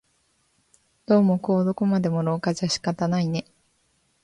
どうもこうどこまでも廊下じゃ仕方ないね